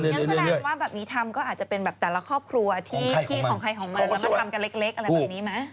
งั้นแสดงว่าแบบนี้ทำก็อาจจะเป็นแบบแต่ละครอบครัวที่ของใครของมันแล้วมาทำกันเล็กอะไรแบบนี้ไหม